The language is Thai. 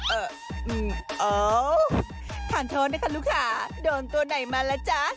เออทานโทษนะคะลูกค้าโดนตัวไหนมาล่ะจ๊ะ